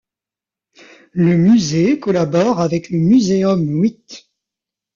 Le musée collabore avec le muséum Witt.